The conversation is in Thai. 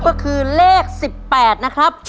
ก็คือเลข๑๘นะครับ